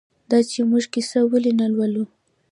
دا چې موږ کیسه ولې نه لولو؟